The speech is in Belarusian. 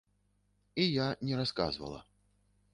І я не расказвала.